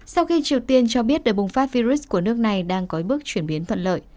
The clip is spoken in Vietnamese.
sau khi triều tiên cho biết đợt bùng phát virus của nước này đang có bước chuyển biến thuận lợi